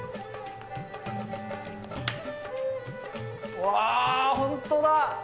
うわー、本当だ。